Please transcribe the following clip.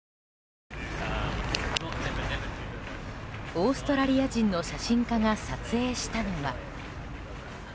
オーストラリア人の写真家が撮影したのは。